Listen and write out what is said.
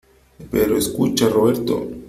pero ... escucha , Roberto .